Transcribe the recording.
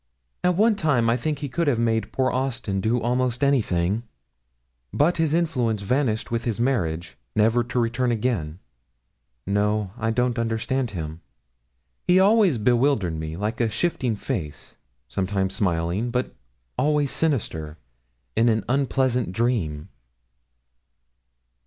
At one time I think he could have made poor Austin do almost anything; but his influence vanished with his marriage, never to return again. No; I don't understand him. He always bewildered me, like a shifting face, sometimes smiling, but always sinister, in an unpleasant dream.'